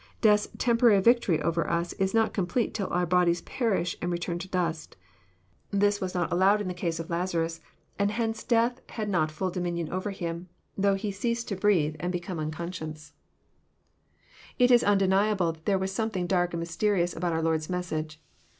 Death's temporary victory over us is not complete till our bodies perish and re turn to dust. This was not allowed in the case of Lazarus, and hence death had not full dominion over him, though he ceased to breathe and became unconscious. 240 EXPOsrroBT thoughts. It is nndcnlable that there was something dark and mysterioaa aboat our Lord's message.